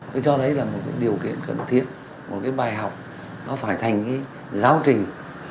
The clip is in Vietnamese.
tôi cho thấy là một điều kiện cần thiết một cái bài học nó phải thành cái giáo trình